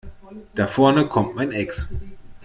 Da vorne kommt mein Ex.